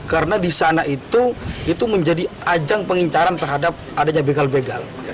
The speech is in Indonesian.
karena di sana itu menjadi ajang pengincaran terhadap adanya begal begal